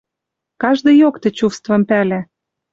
Каждыйок тӹ чувствым пӓлӓ: